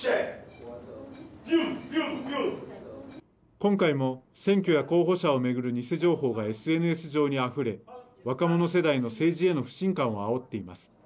今回も選挙や候補者を巡る偽情報がＳＮＳ上にあふれ若者世代の政治への不信感をあおっています。